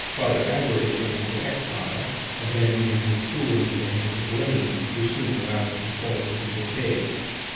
Father Agaric went into exile, abandoning his school into the hands of laymen, who soon allowed it to fall into decay.